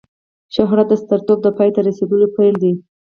شهرت د سترتوب د پای ته رسېدلو پیل دی.